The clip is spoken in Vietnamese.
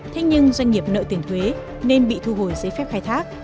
thế nhưng doanh nghiệp nợ tiền thuế nên bị thu hồi giấy phép khai thác